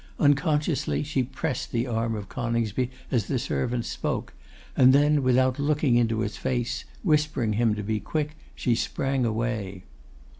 Unconsciously she pressed the arm of Coningsby as the servant spoke, and then, without looking into his face, whispering him to be quick, she sprang away.